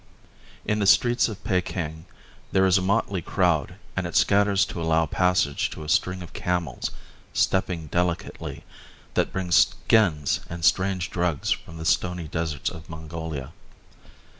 In the streets of Peking there is a motley crowd and it scatters to allow passage to a string of camels, stepping delicately, that bring skins and strange drugs from the stony deserts of Mongolia.